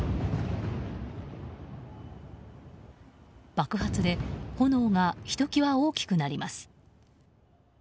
爆発で炎がひときわ大きくなります。